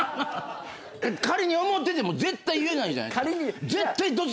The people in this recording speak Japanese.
仮に思ってても絶対言えないじゃないですか。